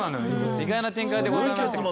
意外な展開でございましたけど。